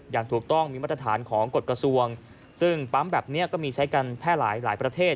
อย่างถูกต้องมีมาตรฐานของกฎกระทรวงซึ่งปั๊มแบบนี้ก็มีใช้กันแพร่หลายหลายประเทศ